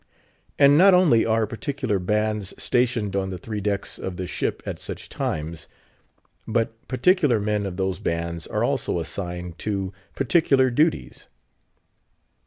And not only are particular bands stationed on the three decks of the ship at such times, but particular men of those bands are also assigned to particular duties.